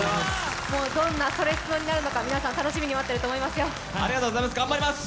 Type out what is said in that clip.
どんなそれスノになるのか皆さん、楽しみに待っていると思いますよ。